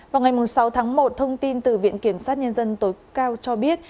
vào ngày sáu tháng một thông tin từ viện kiểm sát nhân dân tối cao cho biết